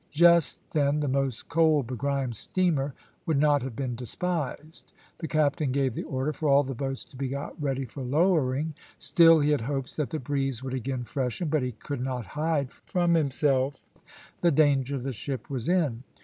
Just then the most coal begrimed steamer would not have been despised. The captain gave the order for all the boats to be got ready for lowering; still he had hopes that the breeze would again freshen, but he could not hide from himself the danger the ship was in.